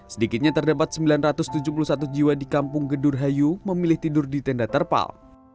sedikitnya terdapat sembilan ratus tujuh puluh satu jiwa di kampung gedurhayu memilih tidur di tenda terpal